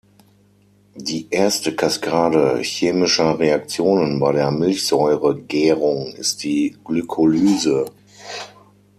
Die erste Kaskade chemischer Reaktionen bei der Milchsäuregärung ist die Glykolyse.